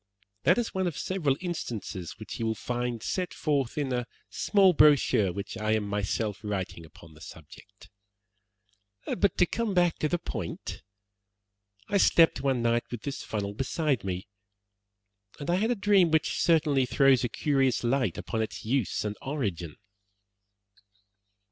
That is one of several instances which you will find set forth in a small brochure which I am myself writing upon the subject. But to come back to the point, I slept one night with this funnel beside me, and I had a dream which certainly throws a curious light upon its use and origin."